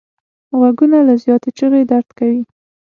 غوږونه له زیاتې چیغې درد کوي